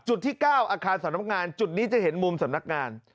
ที่๙อาคารสำนักงานจุดนี้จะเห็นมุมสำนักงาน